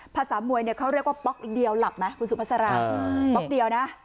ภาษามวยเนี่ยเขาเรียกว่าป๊อกเดียวหลับไหมคุณสุภาษาป๊อกเดียวนะ